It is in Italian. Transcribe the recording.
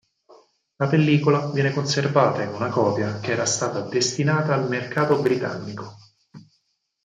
La pellicola viene conservata in una copia che era stata destinata al mercato britannico.